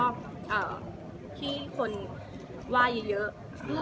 ไม่ได้จะแอบหรือไม่ได้จะซ่อน